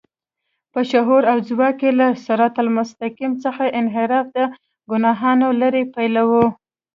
په شعور او ځواک کې له صراط المستقيم څخه انحراف د ګناهونو لړۍ پيلوي.